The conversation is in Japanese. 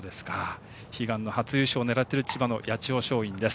悲願の初優勝を狙っている千葉の八千代松陰です。